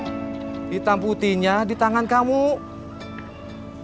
kamu teh kepala rumah tangga hitam putihnya di tangan kamu tuh gak mau ya